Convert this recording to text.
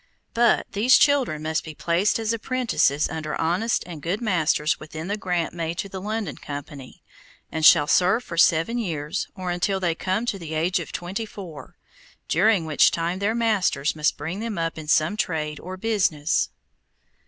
But, these children must be placed as apprentices under honest and good masters within the grant made to the London Company, and shall serve for seven years, or until they come to the age of twenty four, during which time their masters must bring them up in some trade or business.